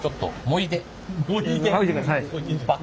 もいでください。